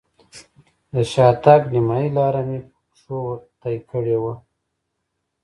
د شاتګ نیمایي لاره مې په پښو طی کړې وه.